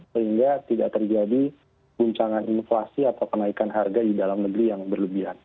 sehingga tidak terjadi guncangan inflasi atau kenaikan harga di dalam negeri yang berlebihan